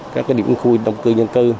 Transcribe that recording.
các điểm khui động cư nhân cư